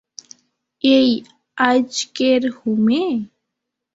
এই আইজ্যকের হোমে?